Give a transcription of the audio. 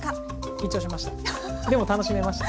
緊張しました。